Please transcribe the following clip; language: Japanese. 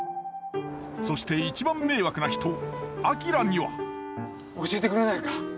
そして一番迷惑な人明には教えてくれないか？